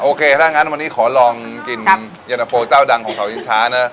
โอเคถ้าอย่างงั้นวันนี้ขอลองกินครับเย็นตะโฟเจ้าดังของขวัญช้าเนอะ